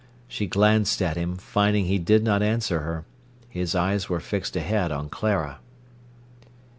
She glanced at him, finding he did not answer her. His eyes were fixed ahead on Clara.